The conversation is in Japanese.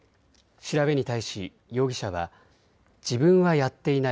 調べに対し容疑者は自分はやっていない。